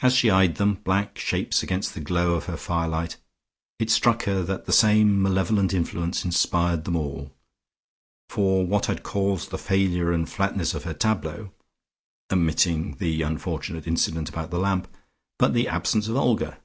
As she eyed them, black shapes against the glow of her firelight, it struck her that the same malevolent influence inspired them all. For what had caused the failure and flatness of her tableaux (omitting the unfortunate incident about the lamp) but the absence of Olga?